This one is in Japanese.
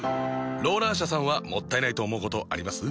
ローラー車さんはもったいないと思うことあります？